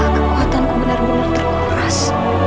kekuatanku benar benar terkuras